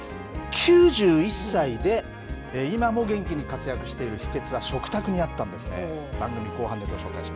９１歳で今も元気に活躍している秘けつは食卓にあったんですね。